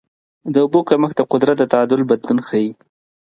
د اوبو کمښت د قدرت د تعادل بدلون ښيي.